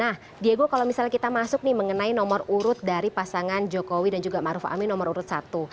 nah diego kalau misalnya kita masuk nih mengenai nomor urut dari pasangan jokowi dan juga maruf amin nomor urut satu